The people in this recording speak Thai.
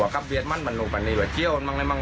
ว่ากลับเบียดมันมันลงไปนี่ว่าเจี๊ยวมันมั้งไหนมั้ง